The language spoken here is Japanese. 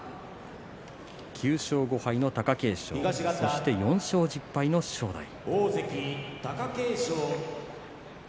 ９勝５敗の貴景勝そして、４勝１０敗の正代。